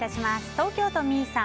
東京都の方。